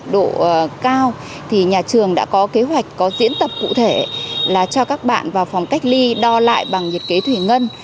độ cao thì nhà trường đã có kế hoạch có diễn tập cụ thể là cho các bạn vào phòng cách ly đo lại bằng nhiệt kế thủy ngân